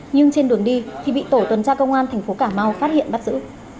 nhưng trên đường đi thì bị tổ tuần tra công an tp cà mau phát hiện bắt giữ